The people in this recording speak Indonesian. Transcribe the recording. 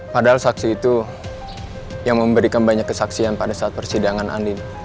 padahal saksi itu yang memberikan banyak kesaksian pada saat persidangan andin